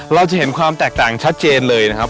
เราจะเห็นความแตกต่างชัดเจนเลยนะครับ